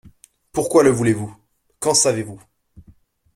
Pourquoi le voulez-vous ? qu’en savez-vous ?